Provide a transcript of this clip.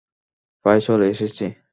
প্রায় চলে এসেছি।